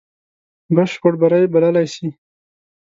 بشپړ بری بللای سي.